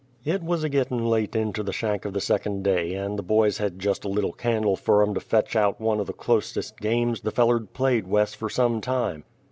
It was a gittin' late into the shank of the second day, and the boys hed jest lit a candle fer 'em to finish out one of the clost'est games the feller'd played Wes fer some time.